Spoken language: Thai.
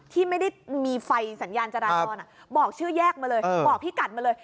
ที่ไม่ได้มีไฟสัญญาณจราจรบอกชื่อแยกมาเลยบอกพี่กัดมาเลย